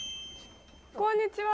こんにちは。